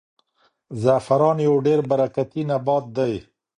زعفران یو ډېر برکتي نبات دی.